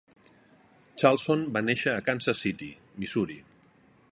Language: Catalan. Charleson va néixer a Kansas City, Missouri.